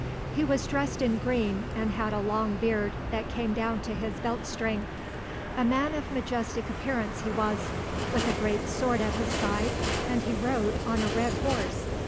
He was dressed in green and had a long beard that came down to his belt string. A man of majestic appearance he was, with a great sword at his side and he rode on a red horse.